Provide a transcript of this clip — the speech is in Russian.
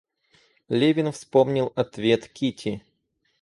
Левин вспомнил ответ Кити.